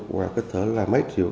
hoặc có thể là mấy triệu